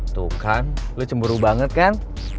tuh kan lo cemburu banget kan